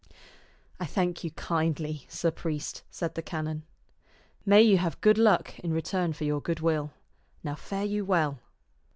" I thank you kindly, sir priest," said the canon. " May you have good luck in return for your good will. Now fare you well."